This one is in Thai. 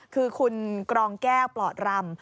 คือคุณกรองแก้วปลอดรำ